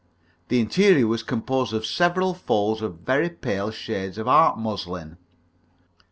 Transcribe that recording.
The interior was composed of several folds of very pale shades of art muslin.